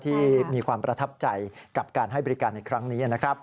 ที่มีความประทับใจกับการให้บริการในครั้งนี้นะครับ